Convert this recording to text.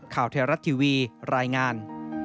ข่าวเทราะห์ทีวีรายงาน